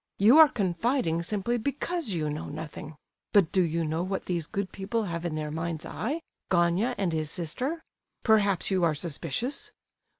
You are confiding simply because you know nothing. But do you know what these good people have in their minds' eye—Gania and his sister? Perhaps you are suspicious?